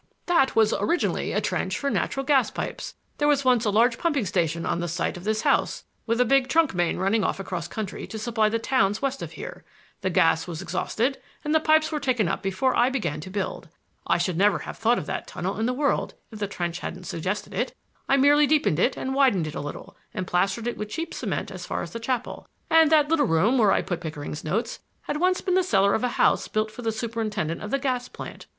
"That was originally a trench for natural gas pipes. There was once a large pumping station on the site of this house, with a big trunk main running off across country to supply the towns west of here. The gas was exhausted, and the pipes were taken up before I began to build. I should never have thought of that tunnel in the world if the trench hadn't suggested it. I merely deepened and widened it a little and plastered it with cheap cement as far as the chapel, and that little room there where I put Pickering's notes had once been the cellar of a house built for the superintendent of the gas plant.